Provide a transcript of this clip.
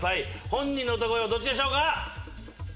本人の歌声はどっちでしょうか？